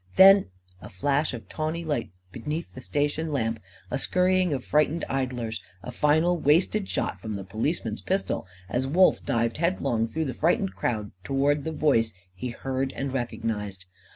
Then " A flash of tawny light beneath the station lamp, a scurrying of frightened idlers, a final wasted shot from the policeman's pistol, as Wolf dived headlong through the frightened crowd towards the voice he heard and recognised.